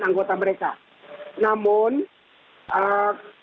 yang men accomodasi